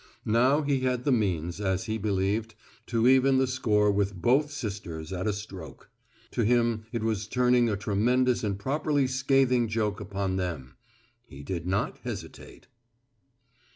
Now he had the means, as he believed, to even the score with both sisters at a stroke. To him it was turning a tremendous and properly scathing joke upon them. He did not hesitate.